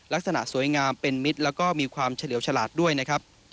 ลักษณะสวยงามเป็นมิตรแล้วก็มีความเฉลี่ยวฉลาดด้วยนะครับ